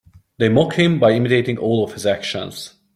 They mocked him by imitating all of his actions.